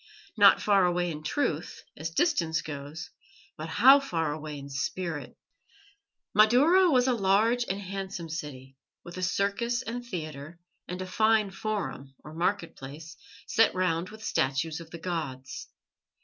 Not far away in truth, as distance goes, but how far away in spirit! Madaura was a large and handsome city, with a circus and theatre, and a fine forum, or market place, set round with statues of the gods.